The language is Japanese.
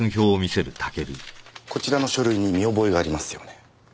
こちらの書類に見覚えがありますよね？